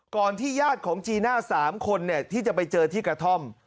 ก่อนที่ญาติของจีน่าสามคนเนี่ยที่จะไปเจอที่กระท่อม